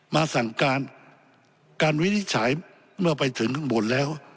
มาสั่งการการวินิจฉัยเมื่อไปถึงข้างบนแล้ว